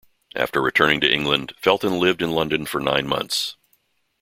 After returning to England, Felton lived in London for nine months.